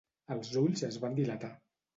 Els ulls es van dilatar.